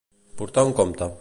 Portar un compte.